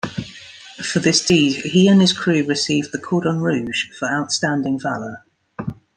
For this deed he and his crew received the 'Cordon Rouge' for outstanding valour.